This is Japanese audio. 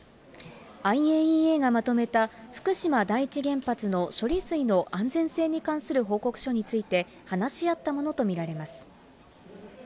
ＩＡＥＡがまとめた福島第一原発の処理水の安全性に関する報告書について、話し合ったものと見られます。